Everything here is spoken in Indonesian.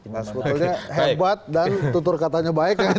sebetulnya hebat dan tutur katanya baik ya